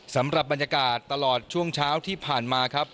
สำหรับบรรยากาศตลอดช่วงเช้าที่ผ่านมาครับ